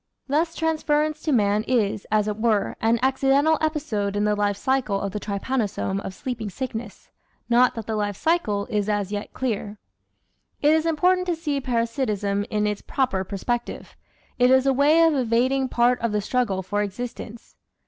Thus transference to man is, as it were, an accidental episode in the life cycle of the trypanosome of sleeping sickness not that the life cycle is as yet clear. It is important to see parasitism in its proper perspective: it is a way of evading part of the struggle for existence.